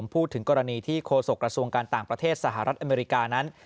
พูดถึงกรณีที่โฆษกระทรวงการต่างประเทศสหรัฐอเมริกานั้น